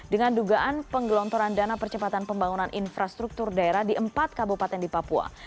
dengan dugaan penggelontoran dana percepatan pembangunan infrastruktur daerah di empat kabupaten di papua